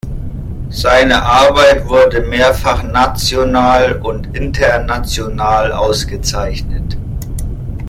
Seine Arbeit wurde mehrfach national und international ausgezeichnet.